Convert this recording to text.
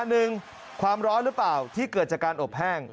หนึ่งความร้อนหรือเปล่าที่เกิดจากการอบแห้ง